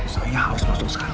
saya harus masuk sekarang